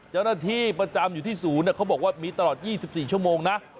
เจ้าหน้าที่ประจำอยู่ที่ศูนย์เขาบอกว่ามีตลอด๒๔ชั่วโมงนะ